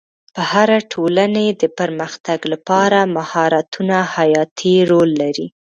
د هرې ټولنې د پرمختګ لپاره مهارتونه حیاتي رول لري.